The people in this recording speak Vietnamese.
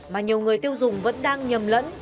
mà nhiều người tiêu dùng vẫn đang nhầm lẫn